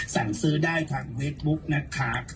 สั่งซื้อได้ทางเฟซบุ๊กนะคะ